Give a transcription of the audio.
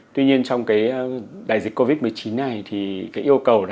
tuy nhiên trong cái đại dịch covid một mươi chín này thì cái yêu cầu là